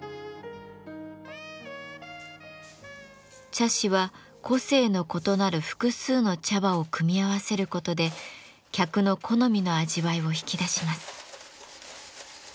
茶師は個性の異なる複数の茶葉を組み合わせることで客の好みの味わいを引き出します。